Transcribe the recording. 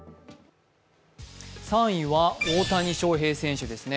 ３位は大谷翔平選手ですね。